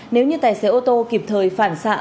nếu như tài xế ô tô kịp thời phản xạ